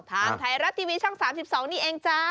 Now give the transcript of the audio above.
ทางไทยรัฐทีวีช่อง๓๒นี่เองจ้า